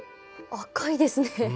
赤いですね。